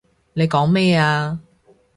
你講咩啊？